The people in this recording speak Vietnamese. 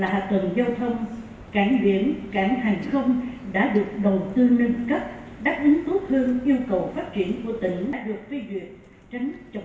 đáp ứng tốt hơn yêu cầu phát triển của tỉnh